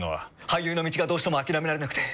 俳優の道がどうしても諦められなくて。